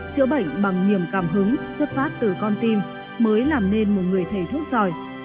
chữa bệnh bằng niềm cảm hứng xuất phát từ con tim mới làm nên một người thầy thuốc giỏi